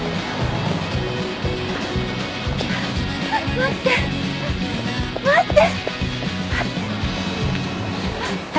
待って待って。